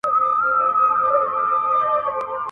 پر خواره مځکه هر واښه شين کېږي.